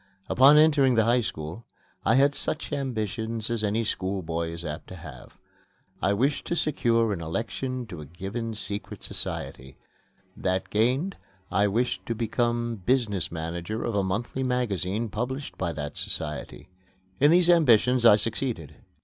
Upon entering the High School I had such ambitions as any schoolboy is apt to have. I wished to secure an election to a given secret society; that gained, I wished to become business manager of a monthly magazine published by that society. In these ambitions I succeeded.